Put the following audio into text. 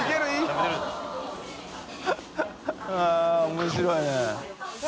◆面白いね。